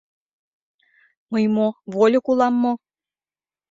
Мый мо, вольык улам мо?